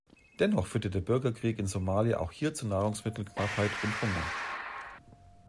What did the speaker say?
Dennoch führte der Bürgerkrieg in Somalia auch hier zu Nahrungsmittelknappheit und Hunger.